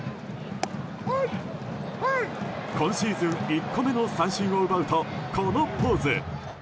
今シーズン１個目の三振を奪うとこのポーズ。